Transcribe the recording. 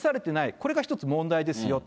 これが一つ問題ですよと。